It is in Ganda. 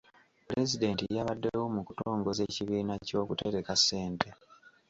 Pulezidenti yabaddewo mu kutongoza ekibiina ky'okutereka ssente.